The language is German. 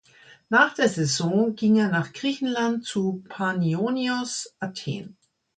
Nach der Saison ging er nach Griechenland zu Panionios Athen.